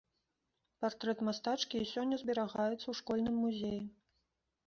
Партрэт мастачкі і сёння зберагаецца ў школьным музеі.